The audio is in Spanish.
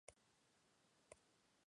Los ciclistas llegaron en coche.